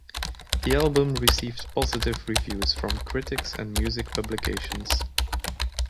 The album received positive reviews from critics and music publications.